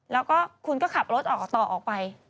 แล้วก็คุณก็ขับรถออกต่อออกไป